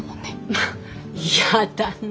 まあやだな。